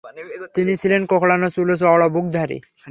তিনি ছিলেন কোকড়ানো চুল ও চওড়া বুকধারী।